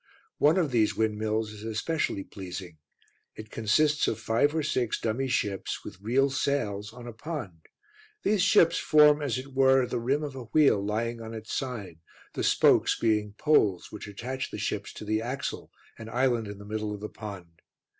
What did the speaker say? One of these windmills is especially pleasing; it consists of five or six dummy ships with real sails on a pond; these ships form, as it were, the rim of a wheel lying on its side, the spokes being poles which attach the ships to the axle, an island in the middle of the pond.